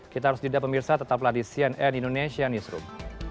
kita harus jeda pemirsa tetaplah di cnn indonesia newsroom